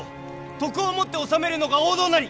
徳をもって治めるのが王道なり！